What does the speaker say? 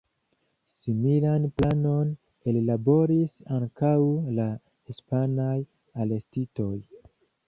Similan planon ellaboris ankaŭ la hispanaj arestitoj.